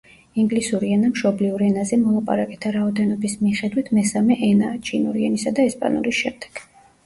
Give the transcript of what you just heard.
ინგლისური ენა მშობლიურ ენაზე მოლაპარაკეთა რაოდენობის მიხედვით მესამე ენაა, ჩინური ენისა და ესპანურის შემდეგ.